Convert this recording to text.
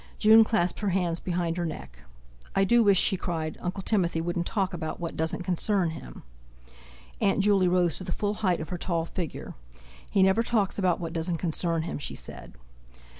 June clasped her hands behind her neck. "I do wish," she cried, "Uncle Timothy wouldn't talk about what doesn't concern him!" Aunt Juley rose to the full height of her tall figure. "He never talks about what doesn't concern him," she said.